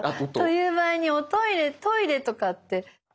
という場合にトイレとかって。